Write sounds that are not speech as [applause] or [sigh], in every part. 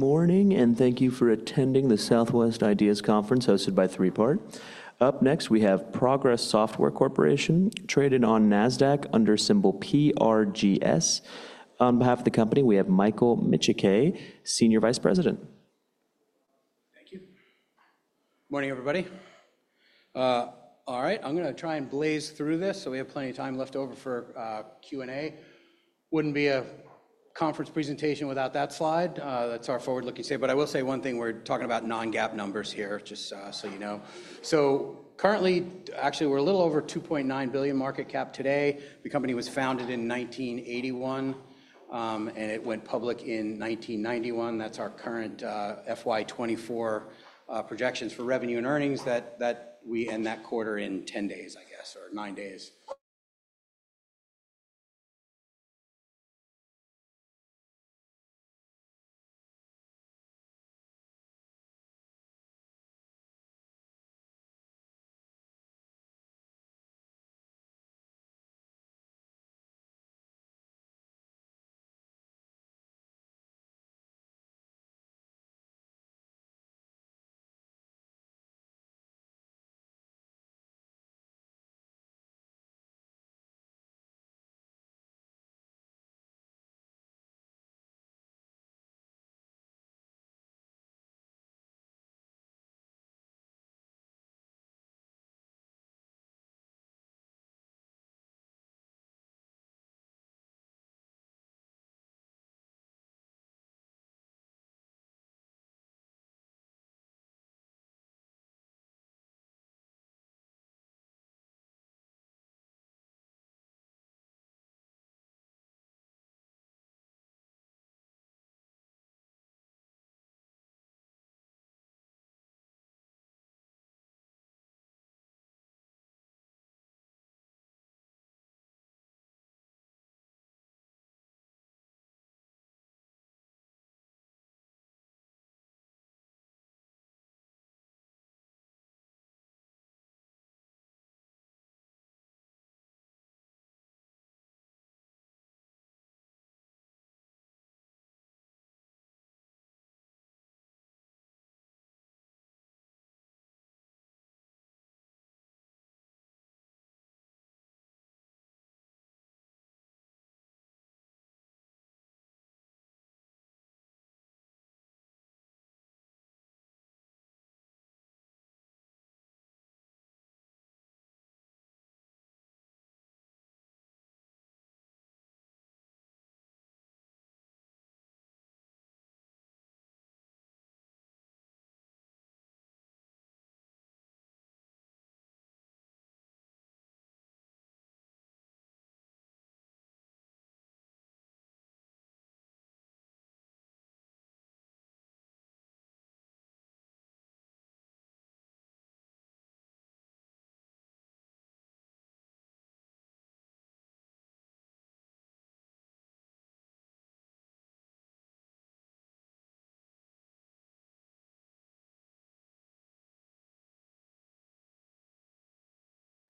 Morning, and thank you for attending the Southwest IDEAS Conference hosted by Three Part. Up next, we have Progress Software Corporation, traded on NASDAQ under symbol PRGS. On behalf of the company, we have Michael Micciche, Senior Vice President. Thank you. Morning, everybody. All right, I'm going to try and blaze through this so we have plenty of time left over for Q&A. Wouldn't be a conference presentation without that slide. That's our forward-looking statement. But I will say one thing: we're talking about Non-GAAP numbers here, just so you know. So currently, actually, we're a little over $2.9 billion market cap today. The company was founded in 1981, and it went public in 1991. That's our current FY 2024 projections for revenue and earnings that we end that quarter in 10 days, I guess, or nine days.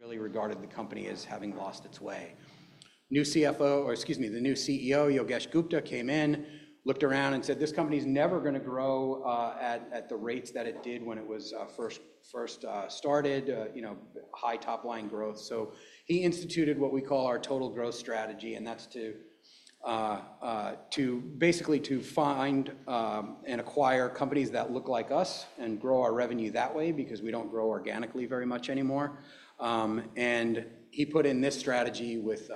Really regarded the company as having lost its way. New CFO, or excuse me, the new CEO, Yogesh Gupta, came in, looked around, and said, "This company is never going to grow at the rates that it did when it was first started, high top-line growth." So he instituted what we call our Total Growth Strategy, and that's basically to find and acquire companies that look like us and grow our revenue that way because we don't grow organically very much anymore, and he put in this strategy with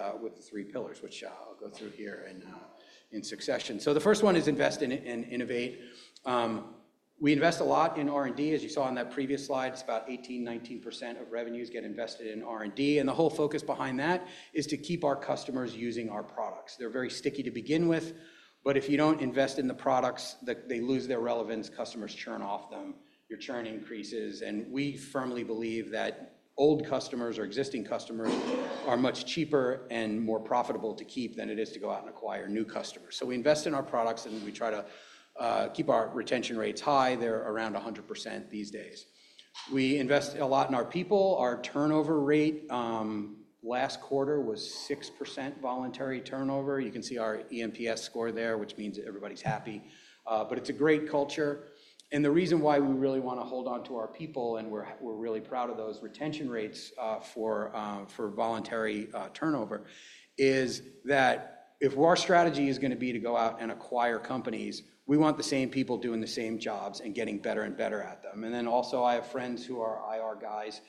three pillars, which I'll go through here in succession, so the first one is invest in and innovate. We invest a lot in R&D. As you saw on that previous slide, it's about 18%, 19% of revenues get invested in R&D, and the whole focus behind that is to keep our customers using our products. They're very sticky to begin with, but if you don't invest in the products, they lose their relevance. Customers churn off them. Your churn increases, and we firmly believe that old customers or existing customers are much cheaper and more profitable to keep than it is to go out and acquire new customers. So we invest in our products, and we try to keep our retention rates high. They're around 100% these days. We invest a lot in our people. Our turnover rate last quarter was 6% voluntary turnover. You can see our eNPS score there, which means everybody's happy, but it's a great culture. The reason why we really want to hold on to our people, and we're really proud of those retention rates for voluntary turnover, is that if our strategy is going to be to go out and acquire companies, we want the same people doing the same jobs and getting better and better at them. Then also, I have friends who are IR guys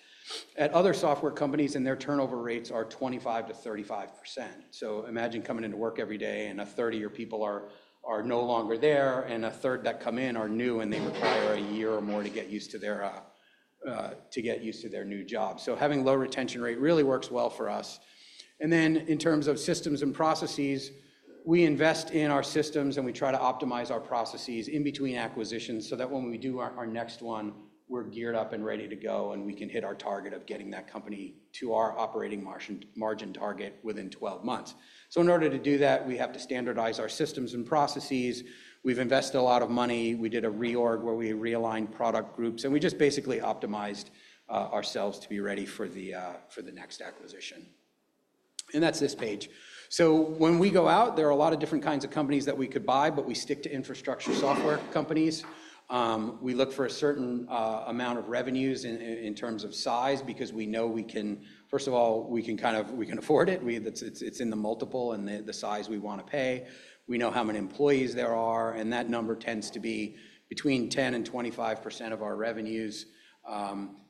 at other software companies, and their turnover rates are 25%-35%. Imagine coming into work every day, and a third of your people are no longer there, and a third that come in are new, and they require a year or more to get used to their new job. Having a low turnover rate really works well for us. And then in terms of systems and processes, we invest in our systems, and we try to optimize our processes in between acquisitions so that when we do our next one, we're geared up and ready to go, and we can hit our target of getting that company to our operating margin target within 12 months. So in order to do that, we have to standardize our systems and processes. We've invested a lot of money. We did a reorg where we realigned product groups, and we just basically optimized ourselves to be ready for the next acquisition. And that's this page. So when we go out, there are a lot of different kinds of companies that we could buy, but we stick to infrastructure software companies. We look for a certain amount of revenues in terms of size because we know we can, first of all, we can kind of afford it. It's in the multiple and the size we want to pay. We know how many employees there are, and that number tends to be between 10% and 25% of our revenues.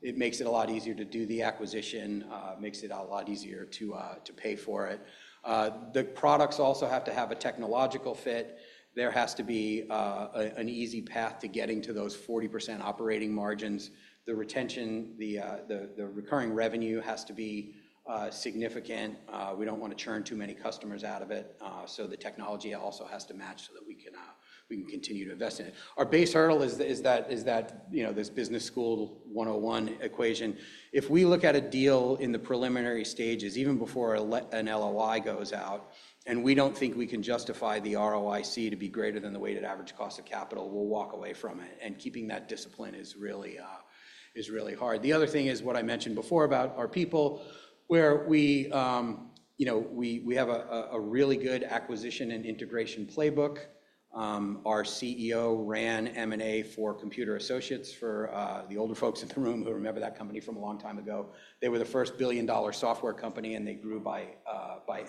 It makes it a lot easier to do the acquisition, makes it a lot easier to pay for it. The products also have to have a technological fit. There has to be an easy path to getting to those 40% operating margins. The retention, the recurring revenue has to be significant. We don't want to churn too many customers out of it. So the technology also has to match so that we can continue to invest in it. Our base hurdle is that this business school 101 equation. If we look at a deal in the preliminary stages, even before an LOI goes out, and we don't think we can justify the ROIC to be greater than the weighted average cost of capital, we'll walk away from it. And keeping that discipline is really hard. The other thing is what I mentioned before about our people, where we have a really good acquisition and integration playbook. Our CEO ran M&A for Computer Associates for the older folks in the room who remember that company from a long time ago. They were the first billion-dollar software company, and they grew by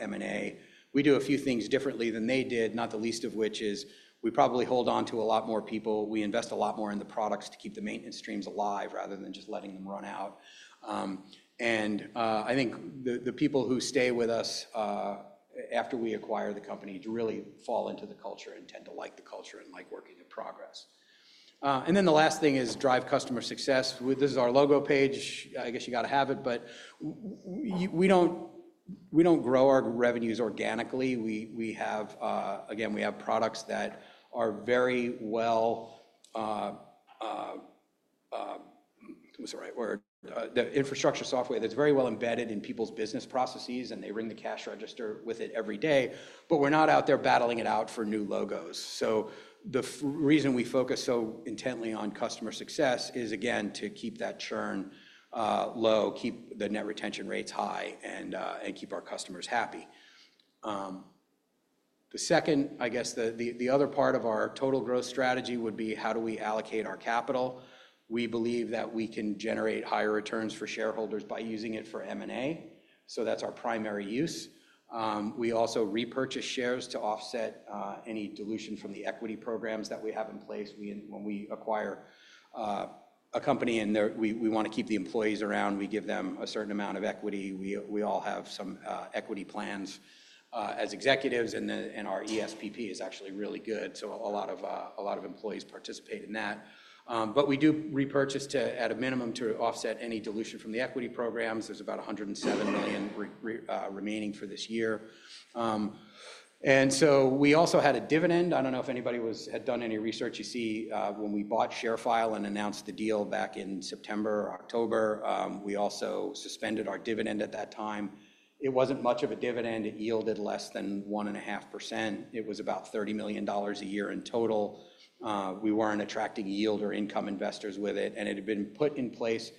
M&A. We do a few things differently than they did, not the least of which is we probably hold on to a lot more people. We invest a lot more in the products to keep the maintenance streams alive rather than just letting them run out. And I think the people who stay with us after we acquire the company really fall into the culture and tend to like the culture and like working in Progress. And then the last thing is drive customer success. This is our logo page. I guess you got to have it, but we don't grow our revenues organically. Again, we have products that are very well - what's the right word? - the infrastructure software that's very well embedded in people's business processes, and they ring the cash register with it every day. But we're not out there battling it out for new logos. So the reason we focus so intently on customer success is, again, to keep that churn low, keep the net retention rates high, and keep our customers happy. The second, I guess, the other part of our Total Growth Strategy would be how do we allocate our capital. We believe that we can generate higher returns for shareholders by using it for M&A, so that's our primary use. We also repurchase shares to offset any dilution from the equity programs that we have in place. When we acquire a company and we want to keep the employees around, we give them a certain amount of equity. We all have some equity plans as executives, and our ESPP is actually really good. So a lot of employees participate in that, but we do repurchase at a minimum to offset any dilution from the equity programs. There's about 107 million remaining for this year, and so we also had a dividend. I don't know if anybody had done any research. You see, when we bought ShareFile and announced the deal back in September or October, we also suspended our dividend at that time. It wasn't much of a dividend. It yielded less than 1.5%. It was about $30 million a year in total. We weren't attracting yield or income investors with it, and it had been put in place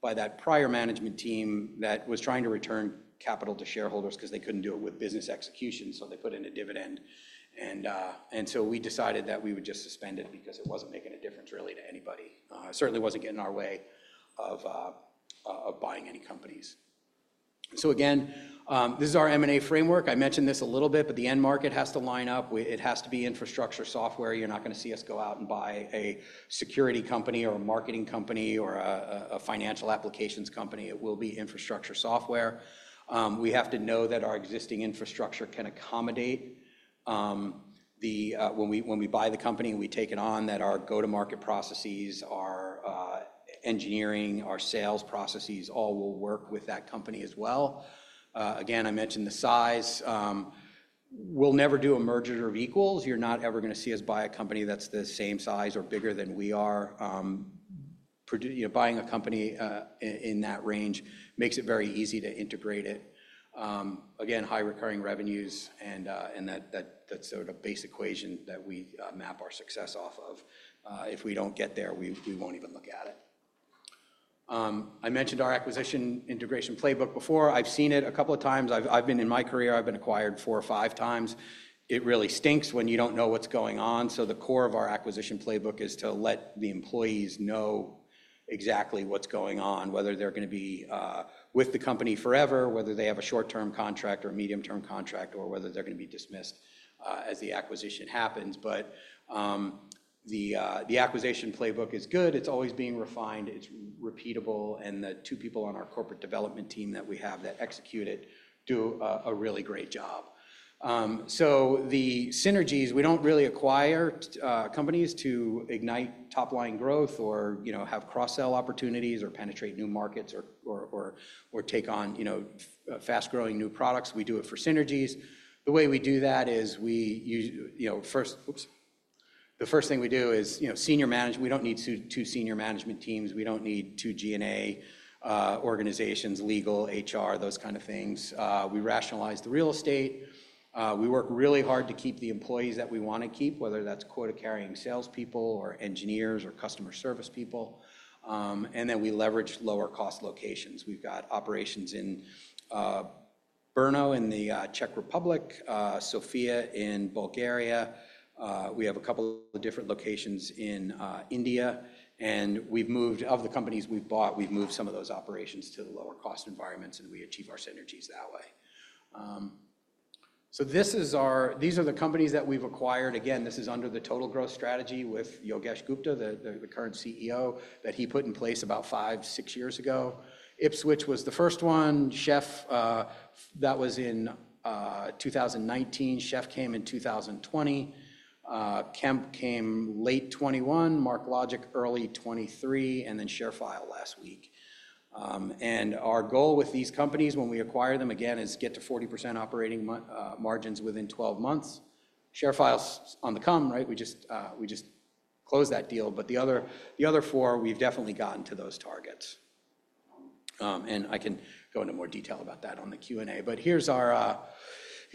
by that prior management team that was trying to return capital to shareholders because they couldn't do it with business execution, so they put in a dividend, and so we decided that we would just suspend it because it wasn't making a difference really to anybody. It certainly wasn't getting in our way of buying any companies, so again, this is our M&A framework. I mentioned this a little bit, but the end market has to line up. It has to be infrastructure software. You're not going to see us go out and buy a security company or a marketing company or a financial applications company. It will be infrastructure software. We have to know that our existing infrastructure can accommodate when we buy the company and we take it on, that our go-to-market processes, our engineering, our sales processes all will work with that company as well. Again, I mentioned the size. We'll never do a merger of equals. You're not ever going to see us buy a company that's the same size or bigger than we are. Buying a company in that range makes it very easy to integrate it. Again, high recurring revenues and that's sort of a base equation that we map our success off of. If we don't get there, we won't even look at it. I mentioned our acquisition integration playbook before. I've seen it a couple of times. I've been in my career. I've been acquired four or five times. It really stinks when you don't know what's going on. The core of our acquisition playbook is to let the employees know exactly what's going on, whether they're going to be with the company forever, whether they have a short-term contract or a medium-term contract, or whether they're going to be dismissed as the acquisition happens. But the acquisition playbook is good. It's always being refined. It's repeatable. And the two people on our corporate development team that we have that execute it do a really great job. So the synergies, we don't really acquire companies to ignite top-line growth or have cross-sell opportunities or penetrate new markets or take on fast-growing new products. We do it for synergies. The way we do that is we first. The first thing we do is senior management. We don't need two senior management teams. We don't need two G&A organizations, legal, HR, those kind of things. We rationalize the real estate. We work really hard to keep the employees that we want to keep, whether that's quota-carrying salespeople or engineers or customer service people. And then we leverage lower-cost locations. We've got operations in Brno in the Czech Republic, Sofia in Bulgaria. We have a couple of different locations in India. And of the companies we've bought, we've moved some of those operations to the lower-cost environments, and we achieve our synergies that way. So these are the companies that we've acquired. Again, this is under the Total Growth Strategy with Yogesh Gupta, the current CEO, that he put in place about five, six years ago. Ipswitch was the first one. Chef, that was in 2019. Chef came in 2020. Kemp came late 2021, MarkLogic early 2023, and then ShareFile last week. And our goal with these companies when we acquire them again is to get to 40% operating margins within 12 months. ShareFile's on the come, right? We just closed that deal. But the other four, we've definitely gotten to those targets. And I can go into more detail about that on the Q&A. But here's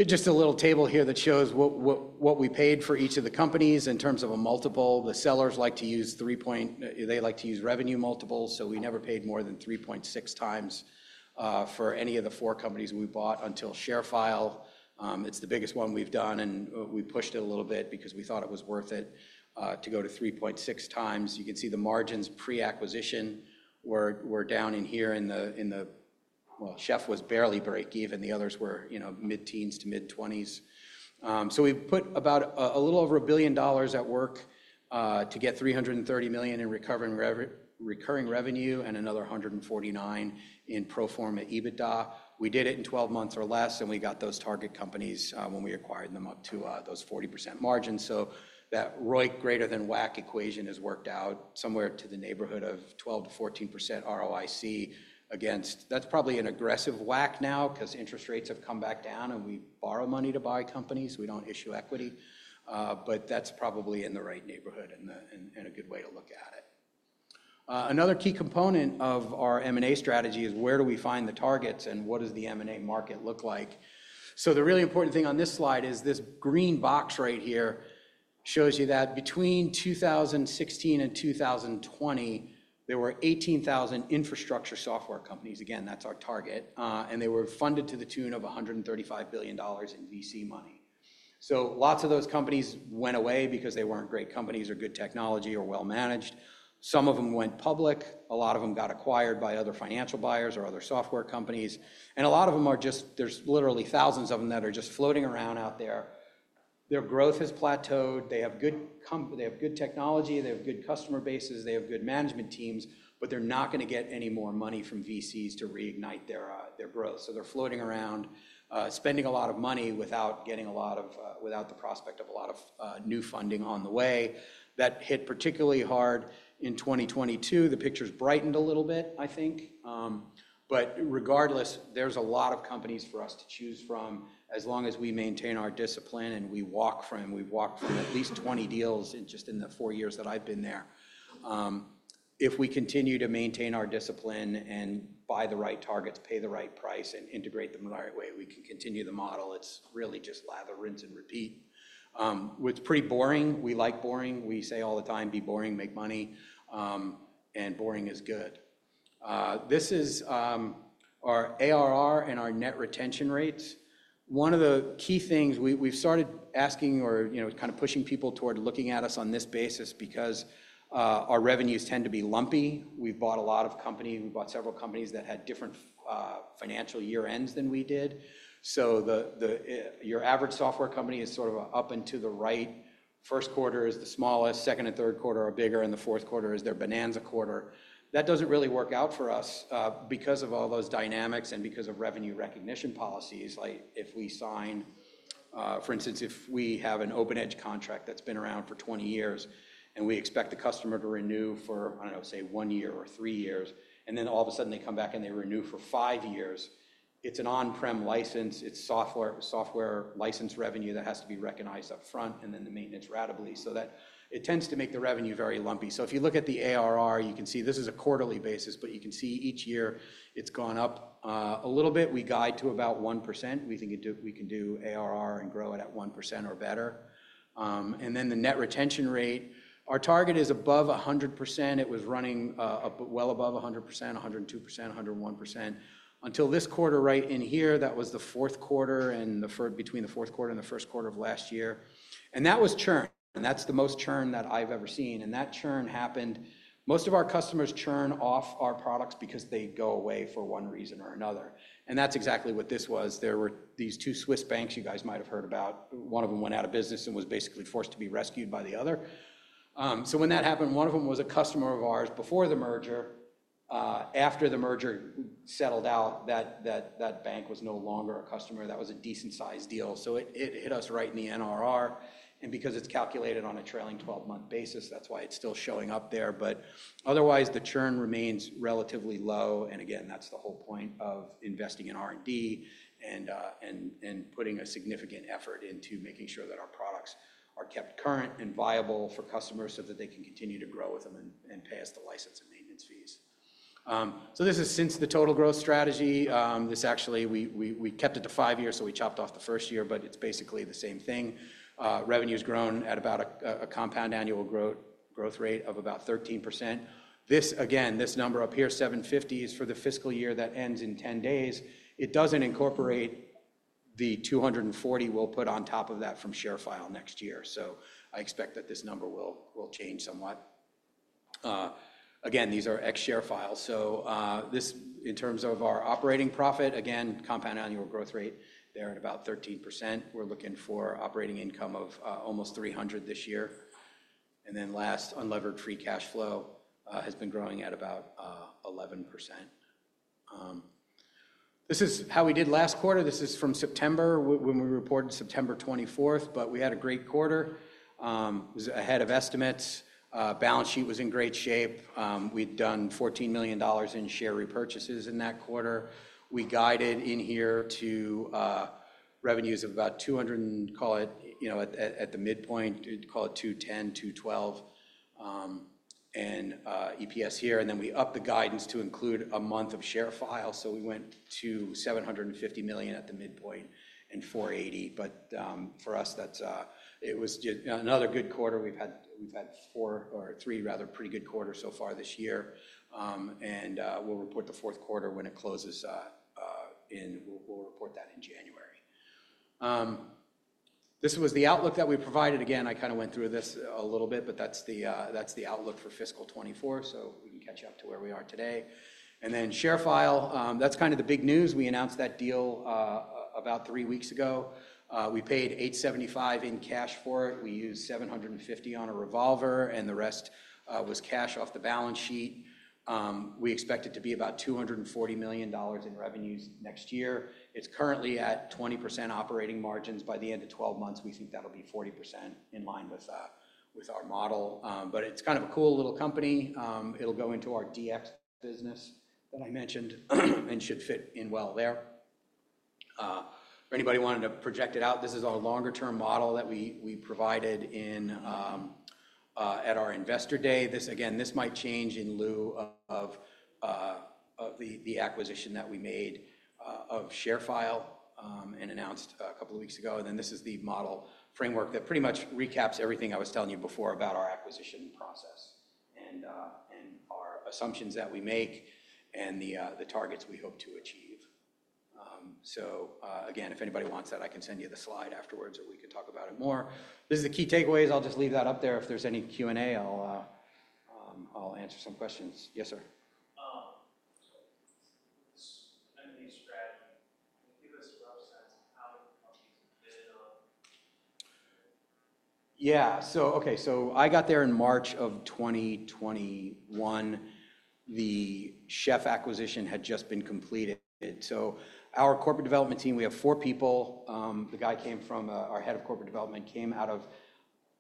just a little table here that shows what we paid for each of the companies in terms of a multiple. The sellers like to use three-point, they like to use revenue multiples. So we never paid more than 3.6 times for any of the four companies we bought until ShareFile. It's the biggest one we've done, and we pushed it a little bit because we thought it was worth it to go to 3.6 times. You can see the margins pre-acquisition were down in here in the, well, Chef was barely break-even. The others were mid-teens to mid-20s. So we put a little over $1 billion at work to get $330 million in recurring revenue and another $149 million in pro forma EBITDA. We did it in 12 months or less, and we got those target companies when we acquired them up to those 40% margins. So that ROIC greater than WACC equation has worked out somewhere in the neighborhood of 12%-14% ROIC against. That's probably an aggressive WACC now because interest rates have come back down, and we borrow money to buy companies. We don't issue equity. But that's probably in the right neighborhood and a good way to look at it. Another key component of our M&A strategy is where do we find the targets and what does the M&A market look like? So the really important thing on this slide is this green box right here shows you that between 2016 and 2020, there were 18,000 infrastructure software companies. Again, that's our target. And they were funded to the tune of $135 billion in VC money. So lots of those companies went away because they weren't great companies or good technology or well-managed. Some of them went public. A lot of them got acquired by other financial buyers or other software companies. And a lot of them are just, there's literally thousands of them that are just floating around out there. Their growth has plateaued. They have good technology. They have good customer bases. They have good management teams, but they're not going to get any more money from VCs to reignite their growth. So they're floating around, spending a lot of money without getting a lot of, without the prospect of a lot of new funding on the way. That hit particularly hard in 2022. The picture's brightened a little bit, I think. But regardless, there's a lot of companies for us to choose from as long as we maintain our discipline and we walk from, we've walked from at least 20 deals just in the four years that I've been there. If we continue to maintain our discipline and buy the right targets, pay the right price, and integrate them the right way, we can continue the model. It's really just lather rinse and repeat. It's pretty boring. We like boring. We say all the time, "Be boring, make money." And boring is good. This is our ARR and our net retention rates. One of the key things we've started asking or kind of pushing people toward looking at us on this basis because our revenues tend to be lumpy. We've bought a lot of companies. We bought several companies that had different financial year-ends than we did. Your average software company is sort of up and to the right. First quarter is the smallest. Second and third quarter are bigger, and the fourth quarter is their bonanza quarter. That doesn't really work out for us because of all those dynamics and because of revenue recognition policies. Like if we sign, for instance, if we have an OpenEdge contract that's been around for 20 years and we expect the customer to renew for, I don't know, say one year or three years, and then all of a sudden they come back and they renew for five years, it's an on-prem license. It's software license revenue that has to be recognized upfront and then the maintenance ratably, so it tends to make the revenue very lumpy, so if you look at the ARR, you can see this is a quarterly basis, but you can see each year it's gone up a little bit. We guide to about 1%. We can do ARR and grow it at 1% or better, and then the net retention rate, our target is above 100%. It was running well above 100%, 102%, 101% until this quarter right in here. That was the fourth quarter and between the fourth quarter and the first quarter of last year, and that was churn. That's the most churn that I've ever seen, and that churn happened. Most of our customers churn off our products because they go away for one reason or another, and that's exactly what this was. There were these two Swiss banks you guys might have heard about. One of them went out of business and was basically forced to be rescued by the other so when that happened, one of them was a customer of ours before the merger. After the merger settled out, that bank was no longer a customer. That was a decent-sized deal so it hit us right in the NRR. And because it's calculated on a trailing 12-month basis, that's why it's still showing up there. But otherwise, the churn remains relatively low. And again, that's the whole point of investing in R&D and putting a significant effort into making sure that our products are kept current and viable for customers so that they can continue to grow with them and pay us the license and maintenance fees so this is since the Total Growth Strategy. This actually, we kept it to five years, so we chopped off the first year, but it's basically the same thing. Revenue's grown at about a compound annual growth rate of about 13%. This, again, this number up here, 750, is for the fiscal year that ends in 10 days. It doesn't incorporate the 240 we'll put on top of that from ShareFile next year. So I expect that this number will change somewhat. Again, these are ex-ShareFile. So this in terms of our operating profit, again, compound annual growth rate, they're at about 13%. We're looking for operating income of almost 300 this year, and then last, unlevered free cash flow has been growing at about 11%. This is how we did last quarter. This is from September, when we reported September 24th, but we had a great quarter. It was ahead of estimates. Balance sheet was in great shape. We'd done $14 million in share repurchases in that quarter. We guided in here to revenues of about $200 million, call it at the midpoint, call it $210-$212 million, and EPS here. Then we upped the guidance to include a month of ShareFile. So we went to $750 million at the midpoint and $4.80. But for us, it was another good quarter. We've had four or three rather pretty good quarters so far this year. We'll report the fourth quarter when it closes in. We'll report that in January. This was the outlook that we provided. Again, I kind of went through this a little bit, but that's the outlook for fiscal 2024 so we can catch up to where we are today. Then ShareFile, that's kind of the big news. We announced that deal about three weeks ago. We paid $875 in cash for it. We used $750 on a revolver, and the rest was cash off the balance sheet. We expect it to be about $240 million in revenues next year. It's currently at 20% operating margins. By the end of 12 months, we think that'll be 40% in line with our model. But it's kind of a cool little company. It'll go into our DX business that I mentioned and should fit in well there. For anybody wanting to project it out, this is our longer-term model that we provided at our investor day. Again, this might change in lieu of the acquisition that we made of ShareFile and announced a couple of weeks ago. And then this is the model framework that pretty much recaps everything I was telling you before about our acquisition process and our assumptions that we make and the targets we hope to achieve. So again, if anybody wants that, I can send you the slide afterwards or we can talk about it more. This is the key takeaways. I'll just leave that up there. If there's any Q&A, I'll answer some questions. Yes, sir. [audio distortion] Yeah. So okay. So I got there in March of 2021. The Chef acquisition had just been completed. So our corporate development team, we have four people. The head of our corporate development came out of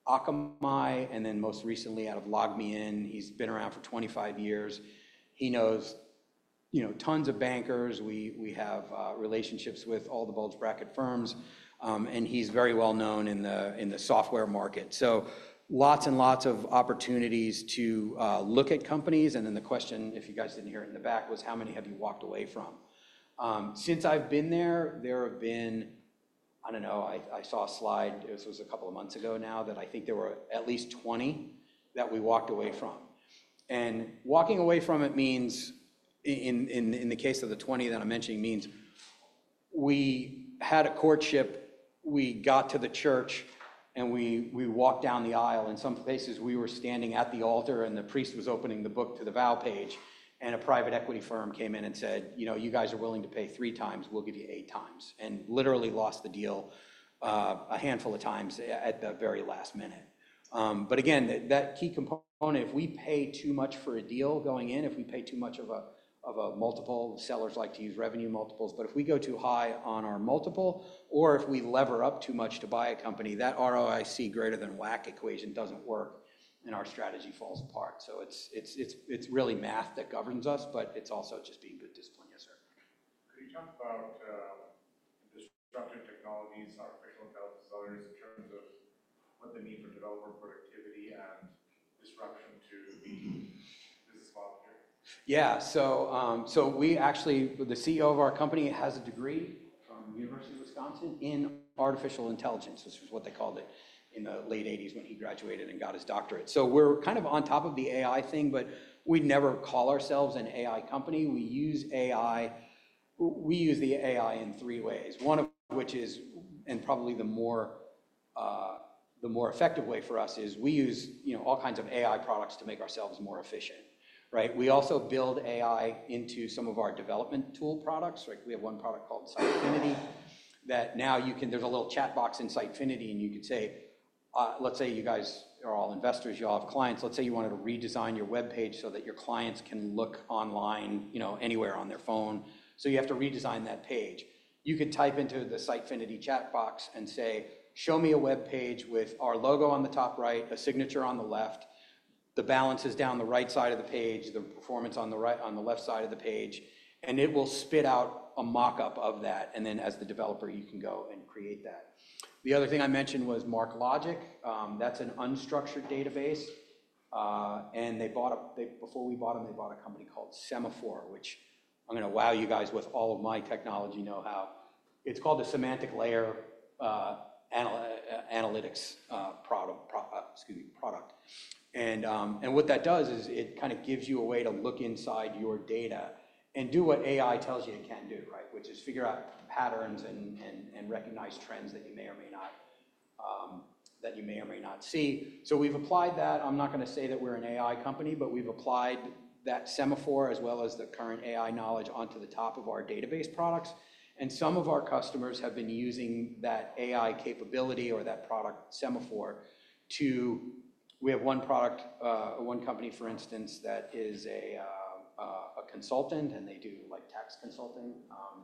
Akamai, and then most recently out of LogMeIn. He's been around for 25 years. He knows tons of bankers. We have relationships with all the bulge bracket firms. And he's very well known in the software market. So lots and lots of opportunities to look at companies. And then the question, if you guys didn't hear it in the back, was how many have you walked away from? Since I've been there, there have been, I don't know, I saw a slide. It was a couple of months ago now that I think there were at least 20 that we walked away from. And walking away from it means, in the case of the 20 that I'm mentioning, means we had a courtship, we got to the church, and we walked down the aisle. In some places, we were standing at the altar, and the priest was opening the book to the vow page. And a private equity firm came in and said, "You guys are willing to pay three times. We'll give you eight times." And literally lost the deal a handful of times at the very last minute. But again, that key component, if we pay too much for a deal going in, if we pay too much of a multiple, sellers like to use revenue multiples. But if we go too high on our multiple, or if we lever up too much to buy a company, that ROIC greater than WACC equation doesn't work, and our strategy falls apart. So it's really math that governs us, but it's also just being good discipline. Yes, sir. Can you talk about disruptive technologies, artificial intelligence, in terms of what they mean for developer productivity and disruption to the business model here? Yeah. We actually, the CEO of our company has a degree from the University of Wisconsin in artificial intelligence, which is what they called it in the late 1980s when he graduated and got his doctorate. We're kind of on top of the AI thing, but we never call ourselves an AI company. We use AI. We use the AI in three ways. One of which is, and probably the more effective way for us, is we use all kinds of AI products to make ourselves more efficient. Right? We also build AI into some of our development tool products. We have one product called Sitefinity that now you can, there's a little chat box in Sitefinity, and you could say, let's say you guys are all investors, you all have clients. Let's say you wanted to redesign your web page so that your clients can look online anywhere on their phone, so you have to redesign that page. You could type into the Sitefinity chat box and say, "Show me a web page with our logo on the top right, a signature on the left, the balances down the right side of the page, the performance on the left side of the page." And it will spit out a mockup of that, and then as the developer, you can go and create that. The other thing I mentioned was MarkLogic. That's an unstructured database, and before we bought them, they bought a company called Semaphore, which I'm going to wow you guys with all of my technology know-how. It's called the semantic layer analytics product. And what that does is it kind of gives you a way to look inside your data and do what AI tells you it can't do, right? Which is figure out patterns and recognize trends that you may or may not see. So we've applied that. I'm not going to say that we're an AI company, but we've applied that Semaphore as well as the current AI knowledge onto the top of our database products. And some of our customers have been using that AI capability or that product Semaphore to, we have one product, one company, for instance, that is a consultant, and they do tax consulting.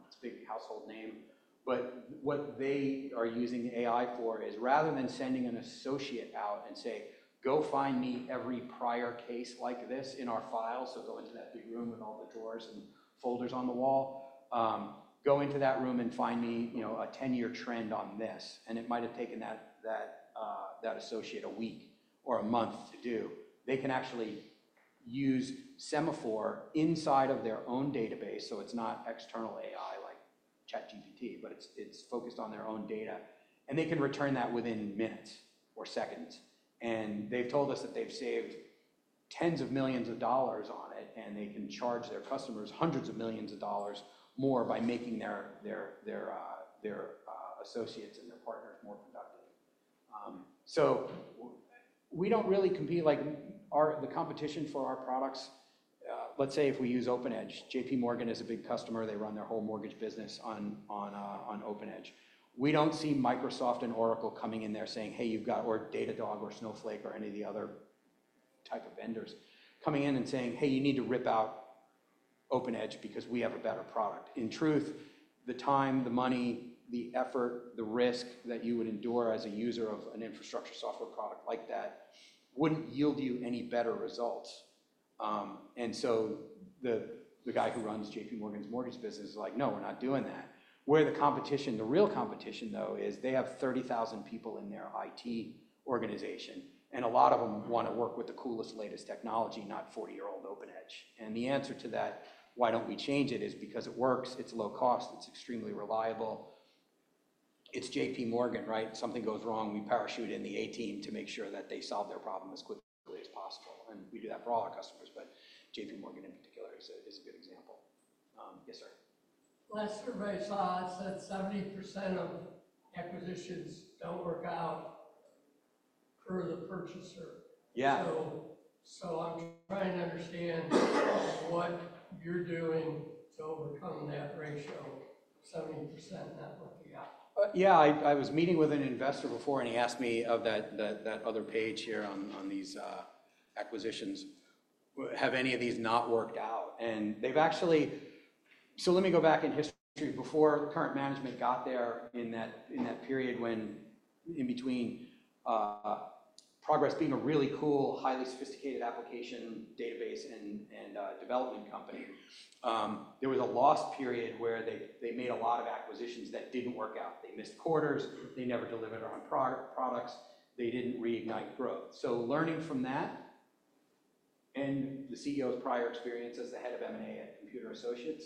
It's a big household name. But what they are using AI for is rather than sending an associate out and say, "Go find me every prior case like this in our file." So go into that big room with all the drawers and folders on the wall. Go into that room and find me a 10-year trend on this. And it might have taken that associate a week or a month to do. They can actually use Semaphore inside of their own database. So it's not external AI like ChatGPT, but it's focused on their own data. And they can return that within minutes or seconds. And they've told us that they've saved tens of millions of dollars on it, and they can charge their customers hundreds of millions of dollars more by making their associates and their partners more productive. So we don't really compete like the competition for our products. Let's say if we use OpenEdge, JPMorgan is a big customer. They run their whole mortgage business on OpenEdge. We don't see Microsoft and Oracle coming in there saying, "Hey, you've got Datadog or Snowflake or any of the other type of vendors coming in and saying, 'Hey, you need to rip out OpenEdge because we have a better product.'" In truth, the time, the money, the effort, the risk that you would endure as a user of an infrastructure software product like that wouldn't yield you any better results, so the guy who runs JPMorgan's mortgage business is like, "No, we're not doing that." Where the competition, the real competition though, is they have 30,000 people in their IT organization, and a lot of them want to work with the coolest, latest technology, not 40-year-old OpenEdge. And the answer to that, why don't we change it? Is because it works, it's low cost, it's extremely reliable. It's JPMorgan, right? Something goes wrong, we parachute in the A-Team to make sure that they solve their problem as quickly as possible. And we do that for all our customers, but JPMorgan in particular is a good example. Yes, sir. Last survey I saw, I said 70% of acquisitions don't work out per the purchaser. So I'm trying to understand what you're doing to overcome that ratio, 70% not working out. Yeah, I was meeting with an investor before, and he asked me of that other page here on these acquisitions, "Have any of these not worked out?" And they've actually, so let me go back in history before current management got there in that period when in between Progress being a really cool, highly sophisticated application database and development company, there was a lost period where they made a lot of acquisitions that didn't work out. They missed quarters, they never delivered on products, they didn't reignite growth. So learning from that and the CEO's prior experience as the head of M&A at Computer Associates,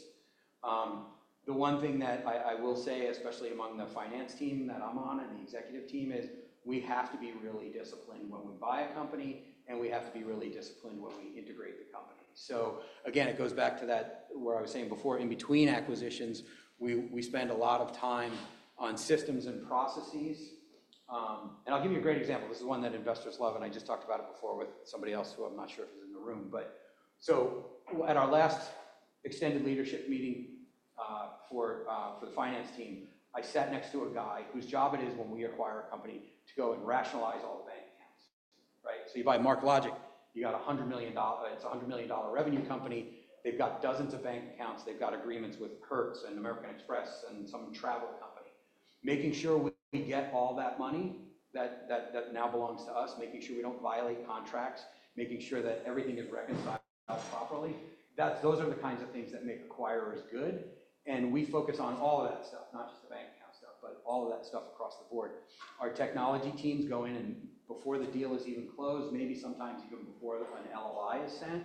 the one thing that I will say, especially among the finance team that I'm on and the executive team, is we have to be really disciplined when we buy a company, and we have to be really disciplined when we integrate the company. So again, it goes back to that where I was saying before, in between acquisitions, we spend a lot of time on systems and processes. And I'll give you a great example. This is one that investors love, and I just talked about it before with somebody else who I'm not sure if is in the room. But so at our last extended leadership meeting for the finance team, I sat next to a guy whose job it is when we acquire a company to go and rationalize all the bank accounts. Right? So you buy MarkLogic, you got a $100 million, it's a $100 million revenue company. They've got dozens of bank accounts. They've got agreements with Hertz and American Express and some travel company. Making sure we get all that money that now belongs to us, making sure we don't violate contracts, making sure that everything is reconciled properly. Those are the kinds of things that make acquirers good. And we focus on all of that stuff, not just the bank account stuff, but all of that stuff across the board. Our technology teams go in, and before the deal is even closed, maybe sometimes even before an LOI is sent,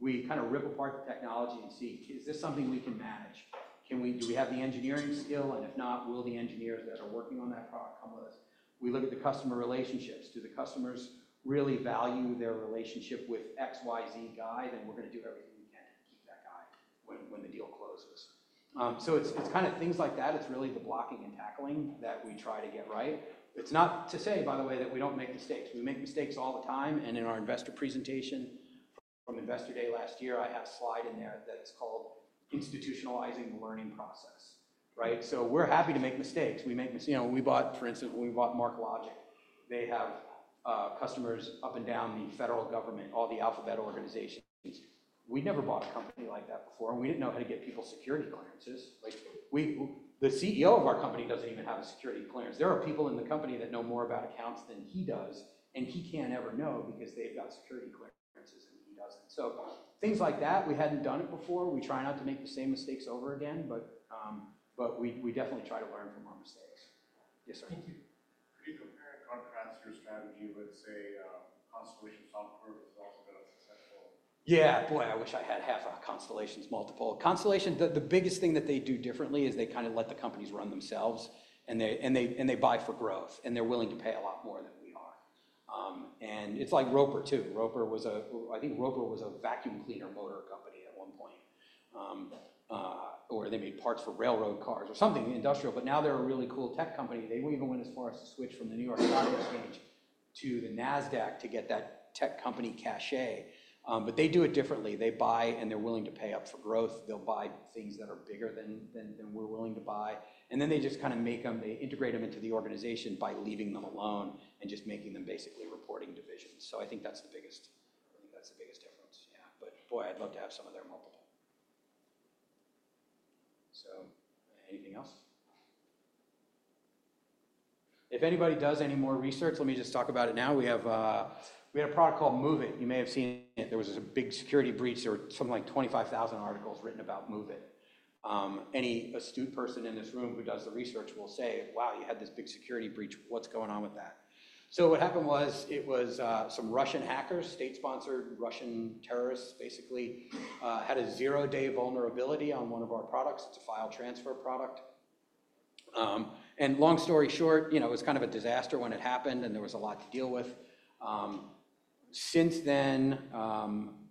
we kind of rip apart the technology and see, "Is this something we can manage? Do we have the engineering skill? And if not, will the engineers that are working on that product come with us?" We look at the customer relationships. Do the customers really value their relationship with XYZ guy? Then we're going to do everything we can to keep that guy when the deal closes. So it's kind of things like that. It's really the blocking and tackling that we try to get right. It's not to say, by the way, that we don't make mistakes. We make mistakes all the time. And in our investor presentation from Investor Day last year, I have a slide in there that is called Institutionalizing the Learning Process. Right? So we're happy to make mistakes. We bought, for instance, when we bought MarkLogic, they have customers up and down the federal government, all the alphabet organizations. We never bought a company like that before, and we didn't know how to get people security clearances. The CEO of our company doesn't even have a security clearance. There are people in the company that know more about accounts than he does, and he can't ever know because they've got security clearances and he doesn't. So things like that, we hadn't done it before. We try not to make the same mistakes over again, but we definitely try to learn from our mistakes. Yes, sir. Thank you. Could you compare and contrast your strategy with, say, Constellation Software, which has also been a successful? Yeah, boy, I wish I had half a Constellation's multiple. Constellation, the biggest thing that they do differently is they kind of let the companies run themselves, and they buy for growth, and they're willing to pay a lot more than we are. And it's like Roper too. I think Roper was a vacuum cleaner motor company at one point, or they made parts for railroad cars or something industrial. But now they're a really cool tech company. They didn't even go as far as to switch from the New York Stock Exchange to the NASDAQ to get that tech company cachet, but they do it differently. They buy, and they're willing to pay up for growth. They'll buy things that are bigger than we're willing to buy, and then they just kind of make them, they integrate them into the organization by leaving them alone and just making them basically reporting divisions, so I think that's the biggest difference. Yeah, but boy, I'd love to have some of their multiple, so anything else? If anybody does any more research, let me just talk about it now. We had a product called MOVEit. You may have seen it. There was a big security breach. There were something like 25,000 articles written about MOVEit. Any astute person in this room who does the research will say, "Wow, you had this big security breach. What's going on with that?" So what happened was it was some Russian hackers, state-sponsored Russian terrorists, basically had a zero-day vulnerability on one of our products. It's a file transfer product. And long story short, it was kind of a disaster when it happened, and there was a lot to deal with. Since then,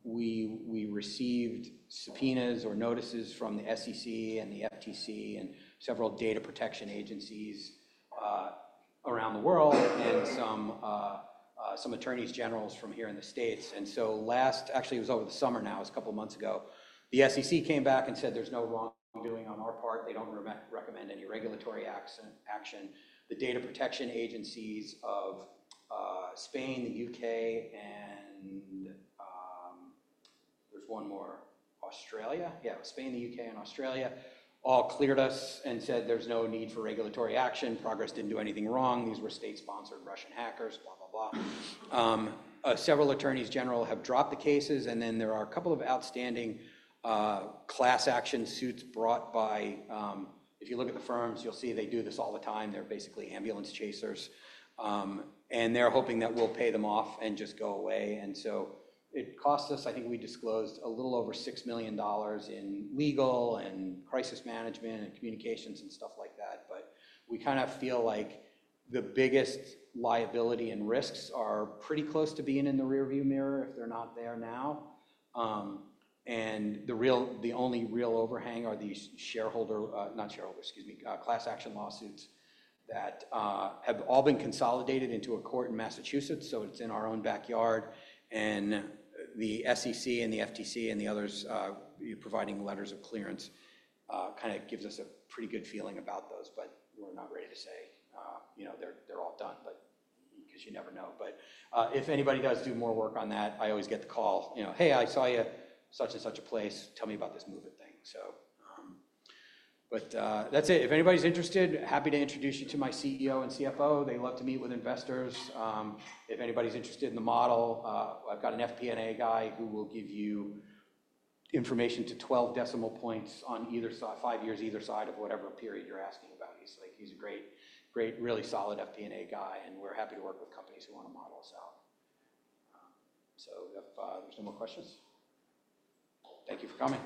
we received subpoenas or notices from the SEC and the FTC and several data protection agencies around the world and some attorneys general from here in the States. And so last, actually, it was over the summer now, it was a couple of months ago. The SEC came back and said, "There's no wrongdoing on our part. They don't recommend any regulatory action." The data protection agencies of Spain, the U.K., and there's one more, Australia. Yeah, Spain, the U.K., and Australia all cleared us and said, "There's no need for regulatory action. Progress didn't do anything wrong. These were state-sponsored Russian hackers, blah, blah, blah." Several attorneys general have dropped the cases, and then there are a couple of outstanding class action suits brought by, if you look at the firms, you'll see they do this all the time. They're basically ambulance chasers, and they're hoping that we'll pay them off and just go away. And so it costs us, I think we disclosed a little over $6 million in legal and crisis management and communications and stuff like that. But we kind of feel like the biggest liability and risks are pretty close to being in the rearview mirror if they're not there now. The only real overhang are these shareholder, not shareholder, excuse me, class action lawsuits that have all been consolidated into a court in Massachusetts. So it's in our own backyard. And the SEC and the FTC and the others providing letters of clearance kind of gives us a pretty good feeling about those, but we're not ready to say they're all done because you never know. But if anybody does do more work on that, I always get the call, "Hey, I saw you at such and such a place. Tell me about this MOVEit thing." But that's it. If anybody's interested, happy to introduce you to my CEO and CFO. They love to meet with investors. If anybody's interested in the model, I've got an FP&A guy who will give you information to 12 decimal points on either side, five years, either side of whatever period you're asking about. He's a great, great, really solid FP&A guy, and we're happy to work with companies who want to model. So if there's no more questions, thank you for coming.